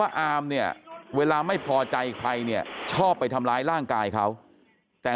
อามเนี่ยเวลาไม่พอใจใครเนี่ยชอบไปทำร้ายร่างกายเขาแต่